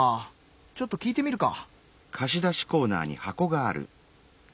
ちょっと聞いてみるか。